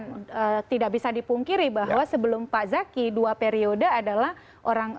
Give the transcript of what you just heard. dan tidak bisa dipungkiri bahwa sebelum pak zaky dua periode adalah orang